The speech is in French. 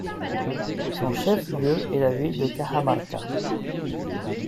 Son chef-lieu est la ville de Cajamarca.